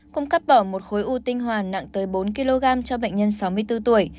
cũng cắt bỏ một khối u tinh hoàn nặng tới bốn kg cho bệnh nhân sáu mươi bốn tuổi